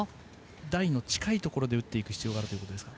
台の近いところで打っていく必要があるということですか。